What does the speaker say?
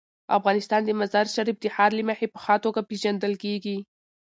افغانستان د مزارشریف د ښار له مخې په ښه توګه پېژندل کېږي.